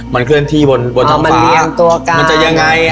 มันเคลื่อนที่บนตอนฟ้าอ๋อมันเลี่ยงตัวกลามันจะยังไง